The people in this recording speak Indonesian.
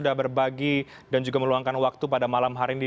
dan kesehatan sudah berbagi dan juga meluangkan waktu pada malam hari ini